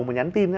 mà nhắn tin